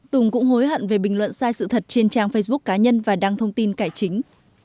tùng cũng hối hận về bình luận sai sự thật trên trang facebook cá nhân và đăng thông tin cải chính